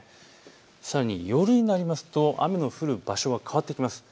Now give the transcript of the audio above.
さらに夜になりますと雨の降る場所が変わってきます。